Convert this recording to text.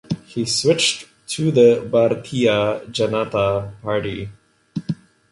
He switched to the Bhartiya Janata Party.